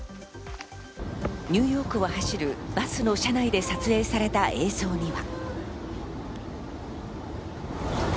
ニューヨークを走るバスの車内で撮影された映像には。